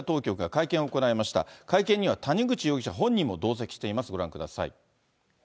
会見には、谷口容疑者本人も同席しています、ご覧ください。